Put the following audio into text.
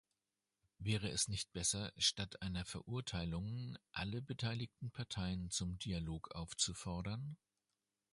Wäre es nicht besser, statt einer Verurteilung alle beteiligten Parteien zum Dialog aufzufordern?